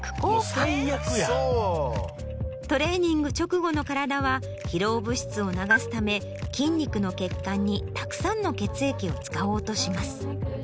トレーニング直後の体は疲労物質を流すため筋肉の血管にたくさんの血液を使おうとします。